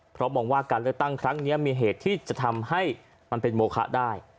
เพราะมองว่าการเลือกตั้งครั้งนี้มีเหตุที่จะทำให้มันเป็นโมคะได้